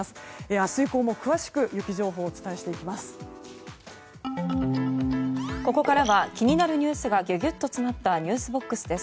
明日以降も、詳しく雪情報を伝えていきます。